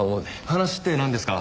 話ってなんですか？